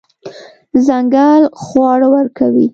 ځنګل خواړه ورکوي.